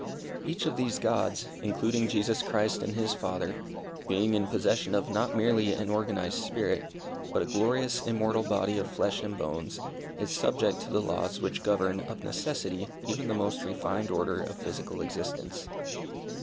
Each of these Gods, including Jesus Christ and his Father, being in possession of not merely an organized spirit, but a glorious immortal body of flesh and bones, is subject to the laws which govern, of necessity, even the most refined order of physical existence.